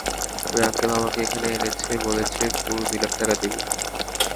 ওই আঙ্কেল আমাকে এখানে এনেছে বলেছে পুরো দুই লাখ টাকা দিবে।